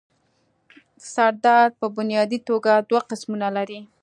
سر درد پۀ بنيادي توګه دوه قسمونه لري